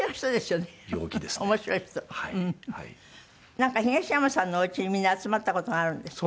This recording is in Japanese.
なんか東山さんのお家にみんな集まった事があるんですって？